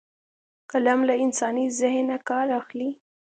قلم له انساني ذهنه کار اخلي